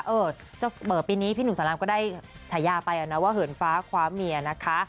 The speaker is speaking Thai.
เออปีนี้พี่หนุ่มสารามก็ได้ฉายาไปนะว่าเหินฟ้าคว้าเมียนะคะ